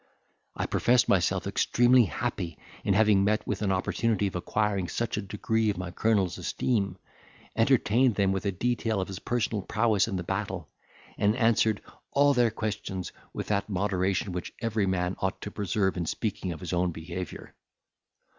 I professed myself extremely happy in having met with an opportunity of acquiring such a degree of my colonel's esteem, entertained them with a detail of his personal prowess in the battle, and answered all their questions with that moderation which every man ought to preserve in speaking of his own behaviour.